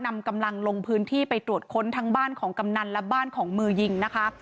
นำกำลังลงพื้นที่ไปตรวจค้นทั้งบ้านของกำนันและบ้านของมือยิงนะคะ